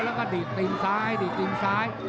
แล้วก็ดีดตีนซ้ายดีดตีนซ้าย